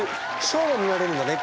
ショーも見られるんだね